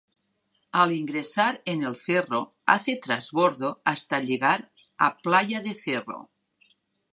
Al ingresar en el Cerro hace trasbordo hasta llegar a Playa de Cerro.